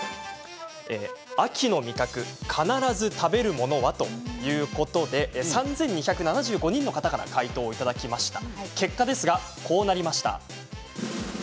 秋の味覚、必ず食べるものは？ということで３２７５人の方から回答をいただきました。